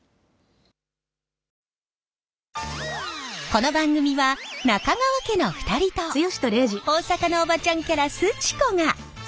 この番組は中川家の２人と大阪のおばちゃんキャラすち子が